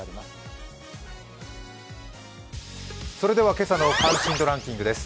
今朝の関心度ランキングです。